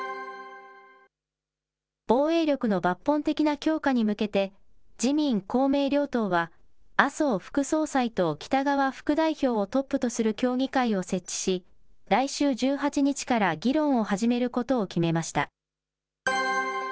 防衛力の抜本的な強化に向けて、自民、公明両党は、麻生副総裁と北側副代表をトップとする協議会を設置し、来週１８日から議論を始めることを決めました。